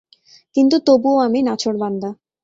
কিন্তু তবুও আমি নাছোড়বান্দা।